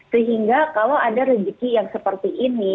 sehingga kalau ada rezeki yang seperti ini